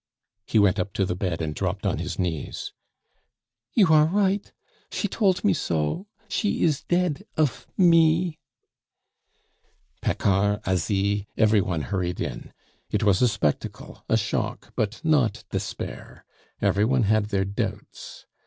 He went up to the bed and dropped on his knees. "You are right! She tolt me so! She is dead of me " Paccard, Asie, every one hurried in. It was a spectacle, a shock, but not despair. Every one had their doubts.